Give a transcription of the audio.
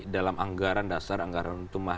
dalam anggaran dasar anggaran rumah